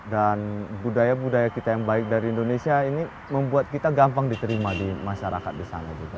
dan budaya budaya kita yang baik dari indonesia ini membuat kita gampang diterima di masyarakat di sana